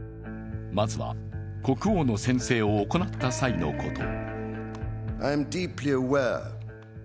まずは、国王の宣誓を行った際のこと。